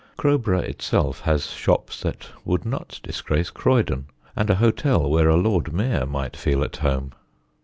Crowborough itself has shops that would not disgrace Croydon, and a hotel where a Lord Mayor might feel at home.